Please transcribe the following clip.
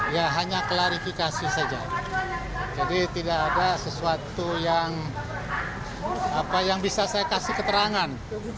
ya hanya klarifikasi saja jadi tidak ada sesuatu yang bisa saya kasih keterangan